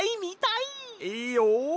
いいよ。